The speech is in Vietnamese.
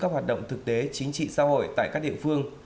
các hoạt động thực tế chính trị xã hội tại các địa phương